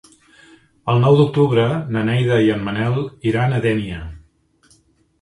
El nou d'octubre na Neida i en Manel iran a Dénia.